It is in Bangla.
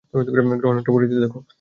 গ্রহাণুটার পরিধি দেখো!